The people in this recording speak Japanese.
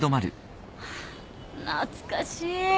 懐かしい。